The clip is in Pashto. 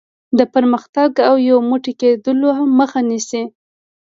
د پرمختګ او یو موټی کېدلو مخه نیسي.